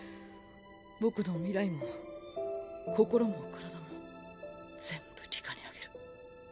僕の未来も心も体も全部里香にあげる。